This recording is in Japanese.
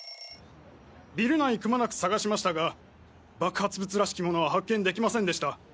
ビル内くまなく探しましたが爆発物らしきものは発見できませんでした。